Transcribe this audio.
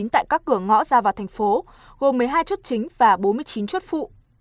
tại các cửa ngõ ra vào thành phố gồm một mươi hai chốt chính và bốn mươi chín chốt phụ